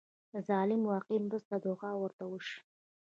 د ظالم واقعي مرسته دعا ورته وشي.